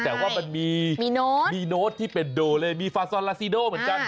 แต่ว่ามันมีโน้ตที่เป็นโดเลมีฟาซอนลาซิโดเหมือนกัน